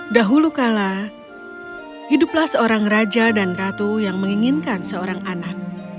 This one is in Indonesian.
dahulu kala hiduplah seorang raja dan ratu yang menginginkan seorang anak